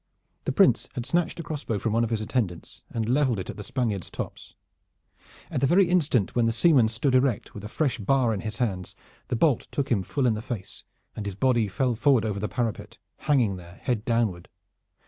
The Prince had snatched a crossbow from one of his attendants and leveled it at the Spaniard's tops. At the very instant when the seaman stood erect with a fresh bar in his hands, the bolt took him full in the face, and his body fell forward over the parapet, hanging there head downward.